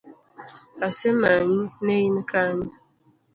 Asemanyi, ne in Kanye?